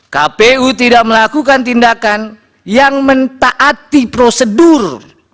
kpu tidak melakukan tindakan yang mentaati prosedur